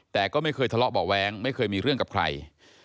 แต่ก็ไม่เคยทะเลาะเบาะแว้งไม่เคยมีเรื่องกับใคร